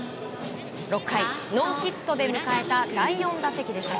６回、ノーヒットで迎えた第４打席でした。